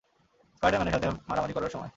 স্পাইডার-ম্যানের সাথে মারামারি করার সময়।